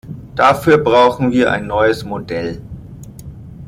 Dafür brauchen wir ein neues Modell.